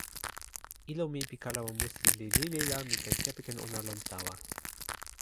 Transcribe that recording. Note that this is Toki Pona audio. ilo mi pi kalama musi li lili la mi ken kepeken ona lon tawa.